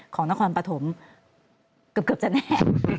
ของนครปฐมเกือบจะแน่